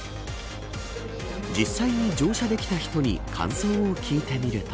実際に乗車できた人に感想を聞いてみると。